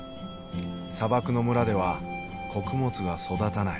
砂漠の村では穀物が育たない。